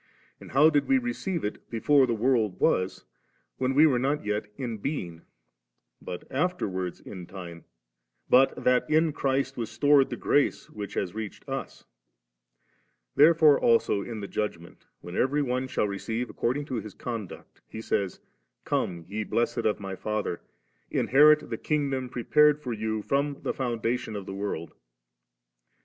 and how did we receive it 'before the world was,' when we were not yet in being, but afterwards in time, but that in Christ was stored the grace which has reached us ? Wherefore also in the Judg ment, when every one shall receive according to his conduct. He says, 'Come, ye blessed of My Father, inherit the kingdom prepared for you firom the foundation of the world *.